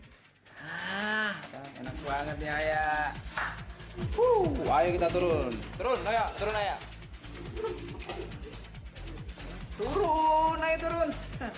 hai nah enak banget ya ya uh ayo kita turun turun turun ayo turun turun turun